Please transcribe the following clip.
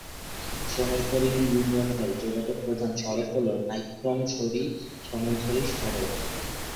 সোনাইছড়ি ইউনিয়নে যোগাযোগের প্রধান সড়ক হল নাইক্ষ্যংছড়ি-সোনাইছড়ি সড়ক।